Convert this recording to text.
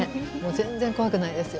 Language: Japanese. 全然怖くないですよ。